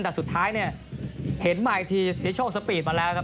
แต่สุดท้ายเนี่ยเห็นมาอีกทีสิทธิโชคสปีดมาแล้วครับ